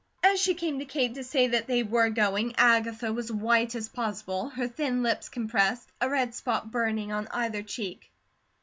As she came to Kate to say that they were going, Agatha was white as possible, her thin lips compressed, a red spot burning on either cheek.